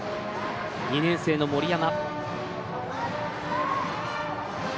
２年生の森山。